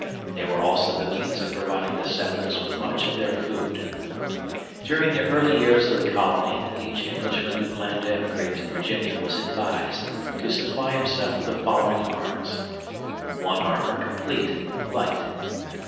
They were also the means of providing the settlers with much of their food. During the early years of the colony each Englishman who planned to emigrate to Virginia was advised to supply himself with the following "Armes": "One Armour compleat, light.